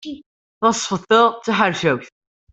Tasfeḍt-a d taḥercawt.